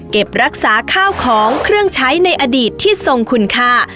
รักษาข้าวของเครื่องใช้ในอดีตที่ทรงคุณค่า